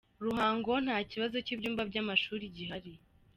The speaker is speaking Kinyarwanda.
Ruhango Nta kibazo cy’ibyumba by’amashuri gihari